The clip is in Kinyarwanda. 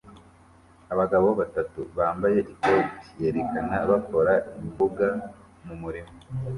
Abagabo batatu bambaye ikoti yerekana bakora imbuga mu murima